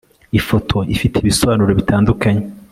ifoto ifite ibisobanuro bitandukanye